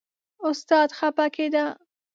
استاد خپه کېده.